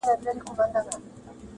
د مدرسو او مکتبونو کیسې-